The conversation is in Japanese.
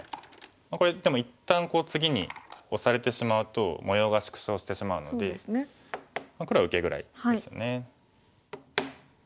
これでも一旦次にオサれてしまうと模様が縮小してしまうので黒は受けぐらいですよね。